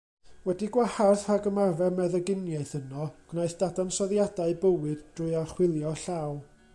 Wedi'i gwahardd rhag ymarfer meddyginiaeth yno, gwnaeth ddadansoddiadau bywyd drwy archwilio'r llaw.